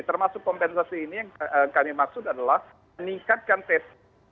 termasuk kompensasi ini yang kami maksud adalah meningkatkan testing